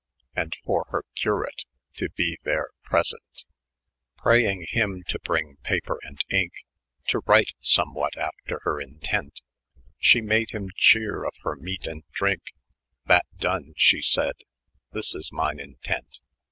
And for her Carat, to be ther present, Prayeng hym for to bryng paper and 3mke, To wryte som what after her entent. She made hym chere of her meat and drjmke. ,] That doone, she sayd, "this is myne intent.